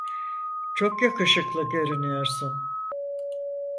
Çok yakışıklı görünüyorsun.